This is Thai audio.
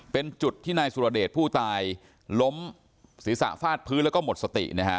เป็นจุดที่นายสุรเดชผู้ตายล้มศีรษะฟาดพื้นแล้วก็หมดสตินะฮะ